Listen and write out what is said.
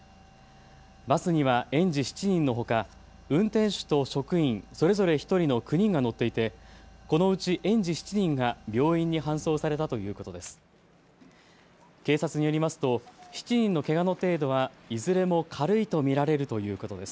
バスには園児７人のほか運転手と職員それぞれ１人の９人が乗っていてこのうち園児７人が病院に搬送されたということです。